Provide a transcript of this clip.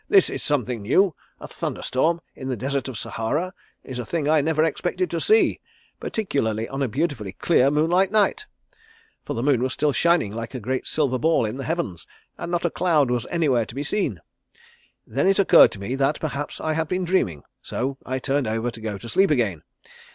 'This is something new. A thunder storm in the Desert of Sahara is a thing I never expected to see, particularly on a beautifully clear moonlight night' for the moon was still shining like a great silver ball in the heavens, and not a cloud was anywhere to be seen. Then it occurred to me that perhaps I had been dreaming, so I turned over to go to sleep again.